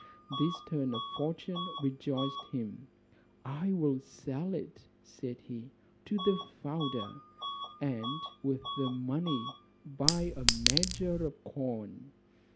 This turn of fortune rejoiced him; "I will sell it," said he, "to the founder, and with the money buy a measure of corn."